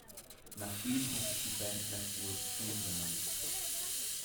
Nach ihm hat sich die Band Naftule’s Dream benannt.